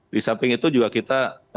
di samping itu juga kita